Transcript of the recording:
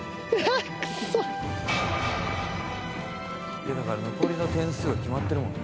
「いやだから残りの点数が決まってるもんね」